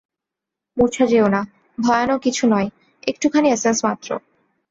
মূর্ছা যেয়ো না, ভয়ানক কিছু নয়, একটুখানি এসেন্স মাত্র।